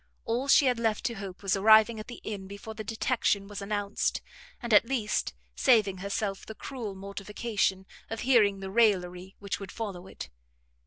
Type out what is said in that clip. All she had left to hope was arriving at the inn before the detection was announced, and at least saving herself the cruel mortification of hearing the raillery which would follow it.